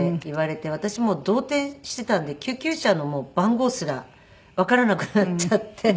私もう動転してたんで救急車の番号すらわからなくなっちゃって。